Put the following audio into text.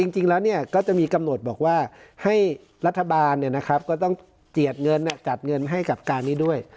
จริงแล้วก็จะมีกำหนดบอกว่าให้รัฐบาลก็ต้องเจียดเงินจัดเงินให้กับการนี้ด้วย